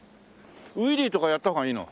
ウィリーとかやった方がいいの？